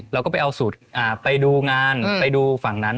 เราก็ไปเอาสูตรไปดูงานไปดูฝั่งนั้น